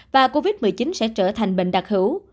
và covid một mươi chín sẽ trở thành bệnh đặc hữu